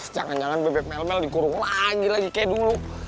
jangan jangan bebet mel mel dikurung lagi kayak dulu